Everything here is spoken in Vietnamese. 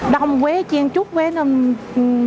đông quê chiên trúc quê